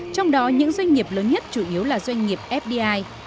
trong đó những doanh nghiệp lớn nhất chủ yếu là doanh nghiệp fdi